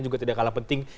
juga tidak kalah penting